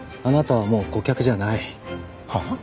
はあ？